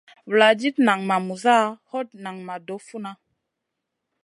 Vuladid nan ma muza, hot nan ma doh funa.